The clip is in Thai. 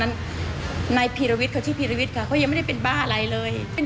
สนุนโดยสายการบินไทยนครปวดท้องเสียขับลมแน่นท้อง